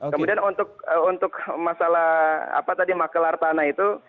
kemudian untuk masalah apa tadi makelar tanah itu